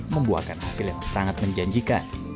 membuahkan hasil yang sangat menjanjikan